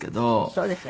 そうですか？